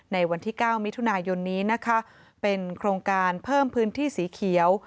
ในวันที่๙มิถุนายนนี้นะคะเป็นโครงการเพิ่มพื้นที่สีเขียว